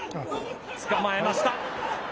つかまえました。